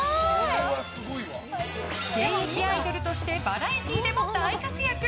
現役アイドルとしてバラエティーでも大活躍。